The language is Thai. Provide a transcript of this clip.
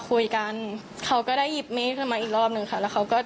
คุยกันเขาก็ได้หยิบมีดขึ้นมาอีกรอบหนึ่งค่ะแล้วเขาก็